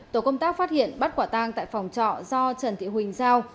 tổ công tác phát hiện bắt quả tang tại phòng trọ do trần thị huỳnh giao